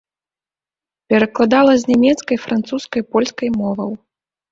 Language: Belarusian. Перакладала з нямецкай, французскай, польскай моваў.